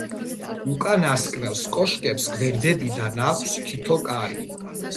უკანასკნელს კოშკებს გვერდებიდან აქვს თითო კარი.